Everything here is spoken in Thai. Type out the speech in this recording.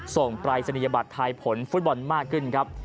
ปรายศนียบัตรทายผลฟุตบอลมากขึ้นครับ